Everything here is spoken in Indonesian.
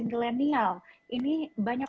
milenial ini banyak